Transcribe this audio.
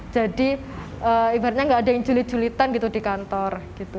jadi ibaratnya gak ada yang julit julitan gitu di kantor gitu